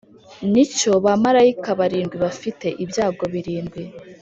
ni cyo bamarayika barindwi bafite ibyago birindwi,